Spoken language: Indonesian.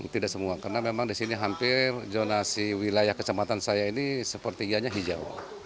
tidak semua karena memang di sini hampir zonasi wilayah kecamatan saya ini sepertiganya hijau